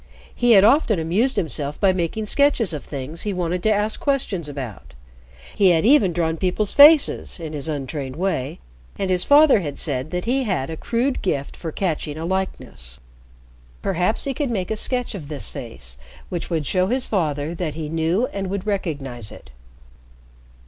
He had often amused himself by making sketches of things he wanted to ask questions about. He had even drawn people's faces in his untrained way, and his father had said that he had a crude gift for catching a likeness. Perhaps he could make a sketch of this face which would show his father that he knew and would recognize it.